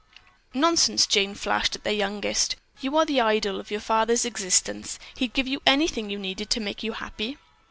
"Nonsense," Jane flashed at their youngest. "You are the idol of your artist father's existence. He'd give you anything you needed to make you happy."